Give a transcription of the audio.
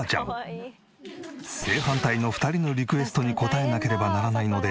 正反対の２人のリクエストに応えなければならないので。